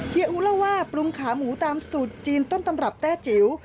อูเล่าว่าปรุงขาหมูตามสูตรจีนต้นตำรับแต้จิ๋ว